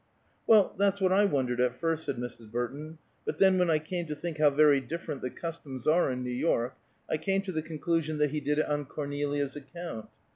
"Well, that's what I wondered, at first," said Mrs. Burton. "But then when I came to think how very different the customs are in New York, I came to the conclusion that he did it on Cornelia's account.